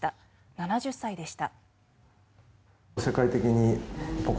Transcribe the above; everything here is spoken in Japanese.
７０歳でした。